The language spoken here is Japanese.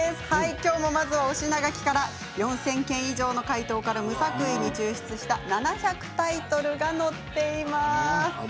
きょうもまずは推し名書きから４０００件以上の回答から無作為に抽出した７００タイトルが載っています。